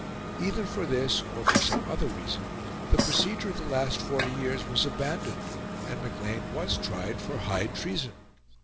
Either for this or for some other reason the procedure of the last forty years was abandoned, and Maclean was tried for high treason.